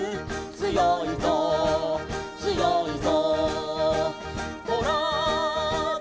「つよいぞつよいぞ」